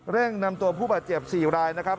นำตัวผู้บาดเจ็บ๔รายนะครับ